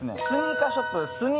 スニーカーショップ。